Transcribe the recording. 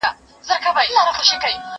زه اوس ليکلي پاڼي ترتيب کوم!؟